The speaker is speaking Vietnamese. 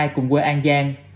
cùng quê an giang